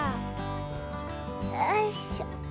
よいしょ。